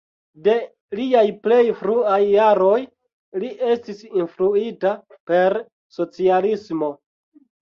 De liaj plej fruaj jaroj, li estis influita per socialismo.